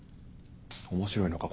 面白いのか？